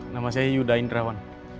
nama saya yuda indrawan